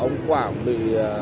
ông quảng bị